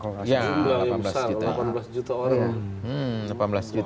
kalau tidak salah ya delapan belas juta